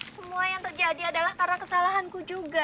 semua yang terjadi adalah karena kesalahanku juga